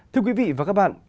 thưa quý vị và các bạn